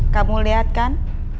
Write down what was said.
kamu lihat kan